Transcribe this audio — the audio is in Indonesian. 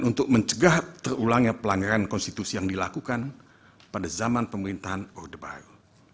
untuk mencegah terulangnya pelanggaran konstitusi yang dilakukan pada zaman pemerintahan orde baru